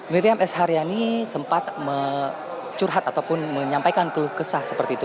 miriam s haryani sempat curhat ataupun menyampaikan telukesah seperti itu